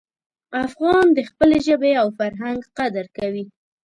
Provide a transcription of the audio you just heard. افغان د خپلې ژبې او فرهنګ قدر کوي.